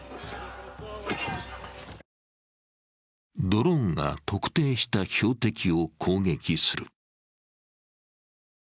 ドローンが特定した標的を攻撃する。